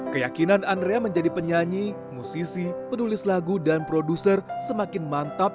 keyakinan andrea menjadi penyanyi musisi penulis lagu dan produser semakin mantap